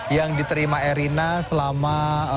yang diterima erina selama